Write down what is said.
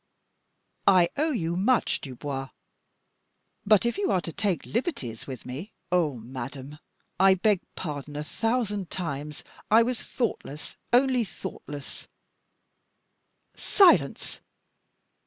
I owe you much, Dubois, but if you are to take liberties with me " "Oh, madame! I beg pardon a thousand times. I was thoughtless only thoughtless " "Silence!